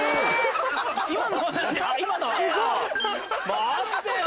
待ってよ！